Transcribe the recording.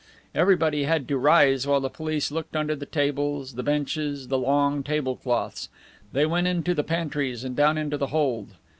Everybody had to rise while the police looked under the tables, the benches, the long table cloths. They went into the pantries and down into the hold.